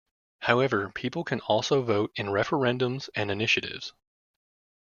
However, people can also vote in referendums and initiatives.